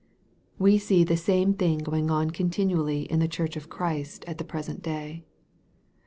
We see the same thing going on continually in the Church of Christ at the present day.